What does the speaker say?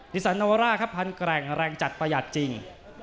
สันโนวาร่าครับพันแกร่งแรงจัดประหยัดจริง